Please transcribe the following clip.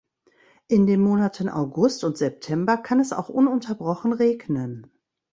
In den Monaten August und September kann es auch ununterbrochen regnen.